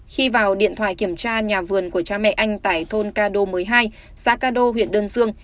khi vào điện thoại kiểm tra nhà vườn của cha mẹ anh tại thôn cado một mươi hai xã cado huyện đơn dương